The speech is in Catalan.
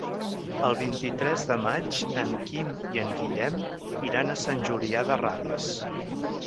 El vint-i-tres de maig en Quim i en Guillem iran a Sant Julià de Ramis.